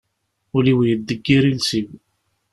Ul-iw yeddeggir iles-iw.